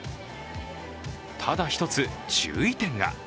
ただ１つ、注意点が。